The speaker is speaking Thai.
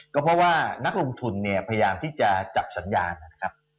ก็เพราะว่านักลงทุนเนี่ยพยายามที่จะจับสัญญาณนะครับ